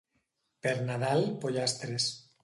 Per Nadal, pollastres.